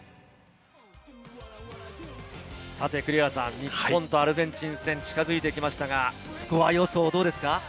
栗原さん、日本とアルゼンチン戦、近づいてきましたが、スコア予想どうですか？